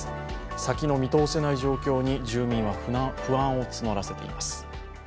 先の見通せない状況に住民は不安を募らせています。